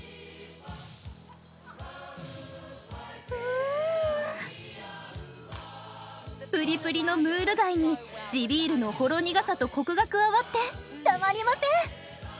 うんプリプリのムール貝に地ビールのほろ苦さとコクが加わってたまりません！